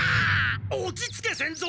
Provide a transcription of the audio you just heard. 落ち着け仙蔵！